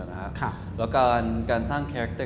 แล้วการสร้างคาราะเทอร์